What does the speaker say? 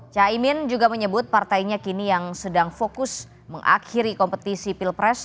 caimin juga menyebut partainya kini yang sedang fokus mengakhiri kompetisi pilpres